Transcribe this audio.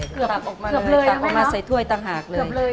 เกือบเลยนะแม่เนอะเกือบเลย